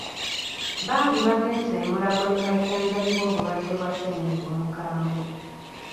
Bangi bagenze e Mulago ne bajjanjabibwa obulwadde bwa ssenyiga omukambwe.